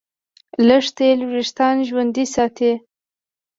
لږ تېل وېښتيان ژوندي ساتي.